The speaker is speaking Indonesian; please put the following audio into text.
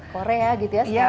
korea gitu ya sekarang